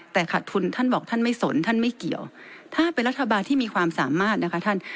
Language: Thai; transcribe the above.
แต่ขาดทุนท่านบอกท่านไม่สนท่านไม่เกี่ยวถ้าเป็นรัฐบาลที่มีความสามารถนะคะท่าน